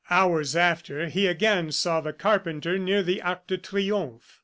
... Hours after, he again saw the carpenter, near the Arc de Triomphe.